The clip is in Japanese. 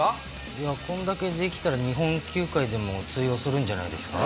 いや、こんだけできたら、日本球界でも通用するんじゃないですか。